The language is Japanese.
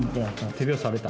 手拍子された？